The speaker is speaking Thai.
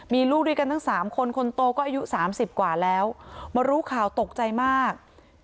มีลูกด้วยกันทั้ง๓คนคนโตก็อายุ๓๐กว่าแล้วมารู้ข่าวตกใจมาก